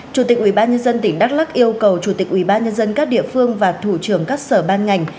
chủ tịch ubnd tỉnh đắk lắc yêu cầu chủ tịch ubnd các địa phương và thủ trưởng các sở ban ngành